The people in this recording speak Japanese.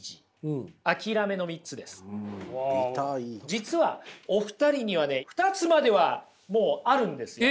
実はお二人にはね２つまではもうあるんですよ。